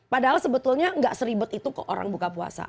padahal sebetulnya gak seribet itu ke orang buka puasa